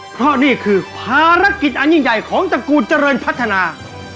เพราะนี่คือภารกิจอันยิ่งใหญ่ของตระกูลเจริญพัฒนา